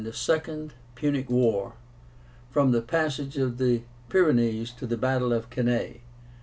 THE SECOND PUNIC WAR. FROM THE PASSAGE OF THE PYRENEES TO THE BATTLE OF CANNAE.